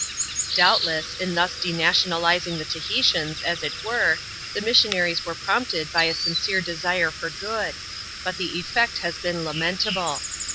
Doubtless, in thus denationalising the Tahitians, as it were, the missionaries were prompted by a sincere desire for good ; hat the effect has been lamentable.